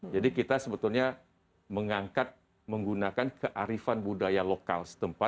jadi kita sebetulnya mengangkat menggunakan kearifan budaya lokal setempat